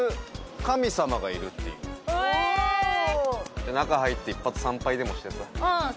じゃあ中入って一発参拝でもしてさ